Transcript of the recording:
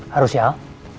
harus ya al